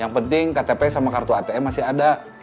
yang penting ktp sama kartu atm masih ada